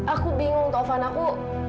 aku bingung taufan aku